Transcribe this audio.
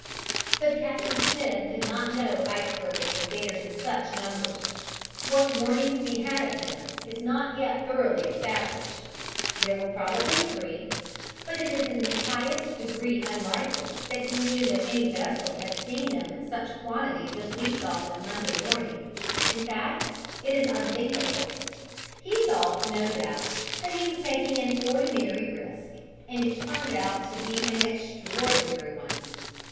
But Captain Smith could not know icebergs were there in such numbers: what warnings he had of them is not yet thoroughly established, there were probably three, but it is in the highest degree unlikely that he knew that any vessel had seen them in such quantities as we saw them Monday morning; in fact, it is unthinkable. He thought, no doubt, he was taking an ordinary risk, and it turned out to be an extraordinary one.